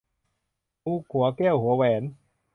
ลูกหัวแก้วหัวแหวน